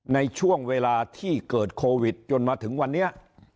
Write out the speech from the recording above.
ในช่วงเวลาที่เกิดโควิดจนมาถึงวันนี้